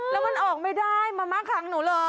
แล้วมันออกไม่ได้มามักขังหนูเหรอ